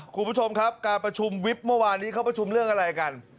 หรืออ้าประชุมวิปเมื่อวานนี้เขาประชุมเรื่องอะไรกัน